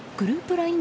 ＬＩＮＥ